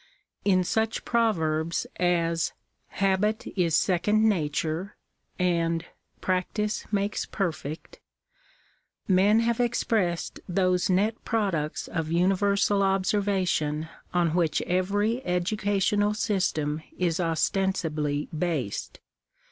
In such proverbs as —" Habit is second nature/' and " Practice makes perfect/' men have expressed those net products of universal observation on which every educational system is ostensibly based.